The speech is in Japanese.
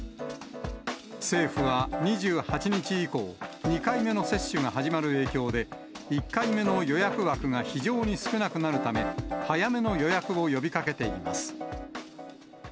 政府は２８日以降、２回目の接種が始まる影響で、１回目の予約枠が非常に少なくなるため、早めの予約を呼びかけています。